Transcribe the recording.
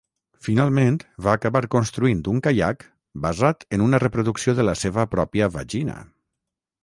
Finalment va acabar construint un caiac basat en una reproducció de la seva pròpia vagina.